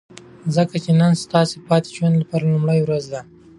ځکه چې نن ستا د پاتې ژوند لپاره لومړۍ ورځ ده.